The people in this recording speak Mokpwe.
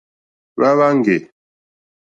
Hwá hwáŋɡè.